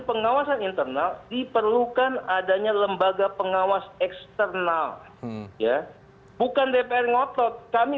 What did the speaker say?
pengawasan internal diperlukan adanya lembaga pengawas eksternal ya bukan dpr ngotot kami